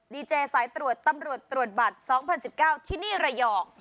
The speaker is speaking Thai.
ดีเจสายตรวจตำรวจตรวจบัตร๒๐๑๙ที่นี่ระยอง